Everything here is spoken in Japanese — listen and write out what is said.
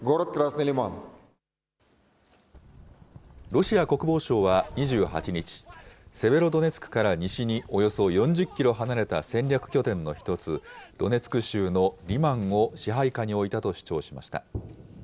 ロシア国防省は２８日、セベロドネツクから西におよそ４０キロ離れた戦略拠点の１つ、ドネツク州のリマンを支配下に置いたと主張しました。